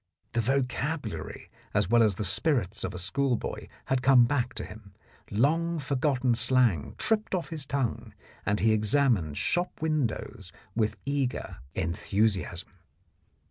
The vocabulary' as well as the spirits of a schoolboy had come back to him ; long forgotten slang tripped off his tongue, and he examined shop windows with eager en 53 The Blackmailer of Park Lane thusiasm.